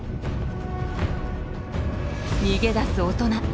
逃げ出す大人。